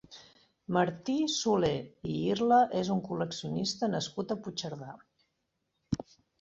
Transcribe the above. Martí Solé i Irla és un col·leccionista nascut a Puigcerdà.